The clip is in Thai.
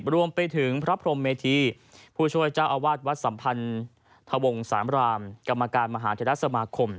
รวมไปถึงพระพรมเมธีผู้ช่วยเจ้าอาวาสวัดสัมพันธวงสามรามกรรมการมหาเทรสมาคม